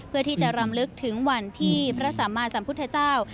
เพื่อที่จะรำลึกถึงวันที่พระสัมมาสัมพุทธเจ้า